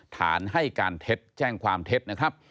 ฐานให้การเท็จแจ้งความเท็จนะครับ